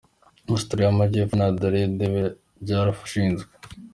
Australia y’amajyepfo na Adelaide byarashinzwe.